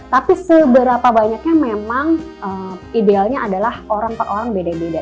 tapi seberapa banyaknya memang idealnya adalah orang per orang beda beda